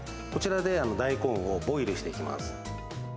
こちらで大根をボイルしていきます。